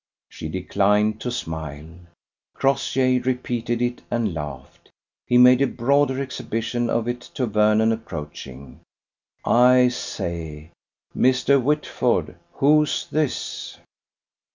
She declined to smile. Crossjay repeated it, and laughed. He made a broader exhibition of it to Vernon approaching: "I say. Mr. Whitford, who's this?"